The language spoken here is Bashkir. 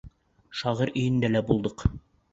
...Шағир өйөндә лә булдыҡ.